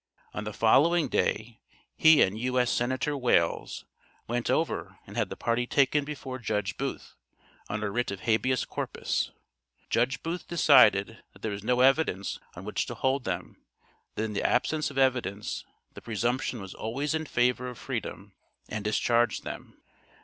On the following day, he and U.S. Senator Wales, went over and had the party taken before Judge Booth, on a writ of habeas corpus. Judge Booth decided that there was no evidence on which to hold them, that in the absence of evidence the presumption was always in favor of freedom and discharged them.